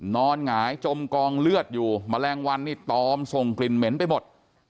หงายจมกองเลือดอยู่แมลงวันนี่ตอมส่งกลิ่นเหม็นไปหมด